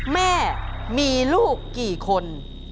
แม่มีลูกกี่คน